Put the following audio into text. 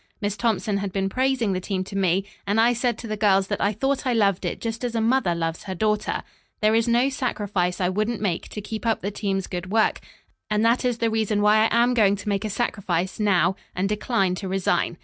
Miss Thompson had been praising the team to me, and I said to the girls that I thought I loved it just as a mother loves her daughters. There is no sacrifice I wouldn't make to keep up the team's good work, and that is the reason why I am going to make a sacrifice, now, and decline to resign.